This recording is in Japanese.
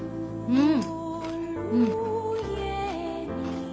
うん。